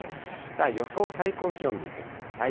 予想最高気温見てください。